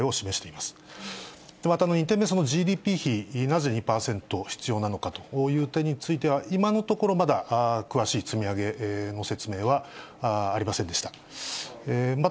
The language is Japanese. また２点目、そのＧＤＰ費、なぜ２％必要なのかという点については、今のところまだ詳しい積み上げの説明はありませんでした。